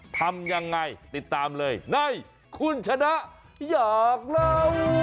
ทำยังไงติดตามเลยในคุณชนะอยากเล่า